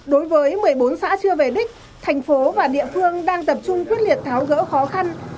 đối với một mươi bốn xã chưa về đích thành phố và địa phương đang tập trung quyết liệt tháo gỡ khó khăn